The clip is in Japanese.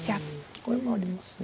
これもありますね。